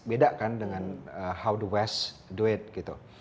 beda kan dengan how the west do it gitu